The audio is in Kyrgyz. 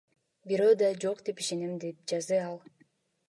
Бирөө да жок деп ишенем, — деп жазды ал.